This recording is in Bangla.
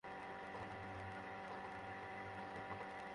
একই সময়ে পরীক্ষণ থিয়েটারে মঞ্চস্থ হবে মহাকার নাট্য সম্প্রদায়ের নাটক নীলাখ্যান।